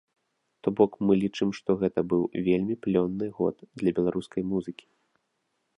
То бок, мы лічым, што гэта быў вельмі плённы год для беларускай музыкі.